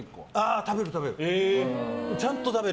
食べる、食べる。